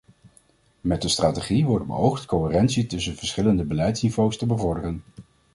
Met de strategie wordt beoogd coherentie tussen verschillende beleidsniveaus te bevorderen.